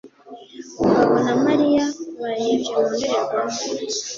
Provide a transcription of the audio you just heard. Mugabo na Mariya barebye mu ndorerwamo.